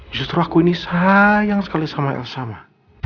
justru aku ini sayang sekali sama elsa ma